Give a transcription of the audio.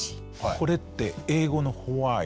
これって英語の「Ｗｈｙ」